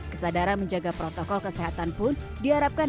kesadaran menjaga protokol kesehatan pun diharapkan